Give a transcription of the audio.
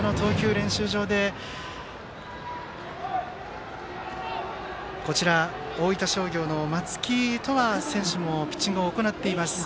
練習場で大分商業の松木翔和選手もピッチングを行っています。